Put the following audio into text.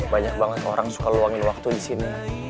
banyak banget orang suka luangin waktu disini